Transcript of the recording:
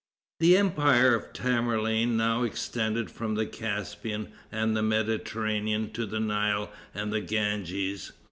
The empire of Tamerlane now extended from the Caspian and the Mediterranean to the Nile and the Ganges.